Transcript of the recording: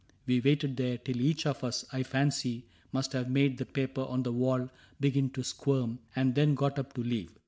We waited there Till each of us, I fancy, must have made The paper on the wall begin to squirm. And then got up to leave.